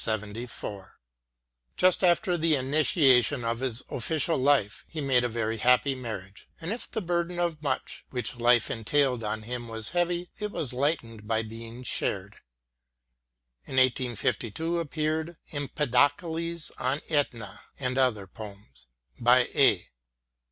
176 MATTHEW ARNOLD Just after the initiation of his official life he made a very happy marriage, and if the burden of much which life entailed on him was heavy, it was lightened by being shared. In 1852 appeared " Empedocles on Etna, and other Poems," by A.